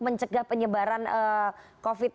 mencegah penyebaran covid